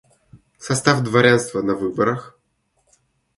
Состав дворянства на выборах.